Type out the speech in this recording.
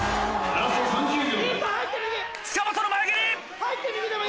ラスト１０秒。